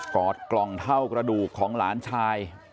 อดกล่องเท่ากระดูกของหลานชาย